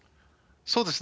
そうですね。